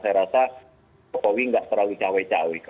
saya rasa jokowi nggak terlalu cawe cawe